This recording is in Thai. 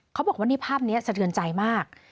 เขาบอกว่านี่ภาพนี้สะเทือนใจมาก